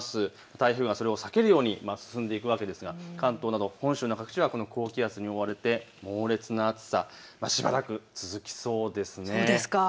台風がそれを避けるように進んでいくわけですが関東など高気圧に覆われて猛烈な暑さ、しばらく続きそうですね。